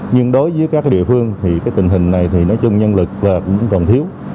nhưng đối với các địa phương tình hình này nói chung nhân lực còn thiếu